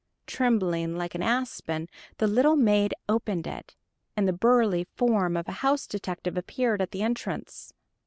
Trembling like an aspen, the little maid opened it, and the burly form of a house detective appeared at the entrance.